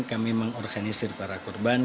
kami mengorganisir para korban